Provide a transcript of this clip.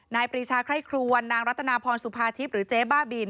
นายปรีชาไข้ครัวนางรัตนาพรสุภาชิบหรือเจ๊บ้าบิน